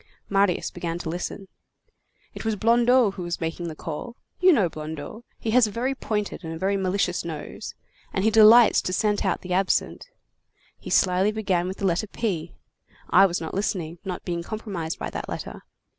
Marius began to listen. "It was Blondeau who was making the call. You know Blondeau, he has a very pointed and very malicious nose, and he delights to scent out the absent. He slyly began with the letter P. I was not listening, not being compromised by that letter.